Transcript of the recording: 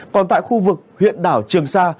còn tại khu vực huyện đảo trường sa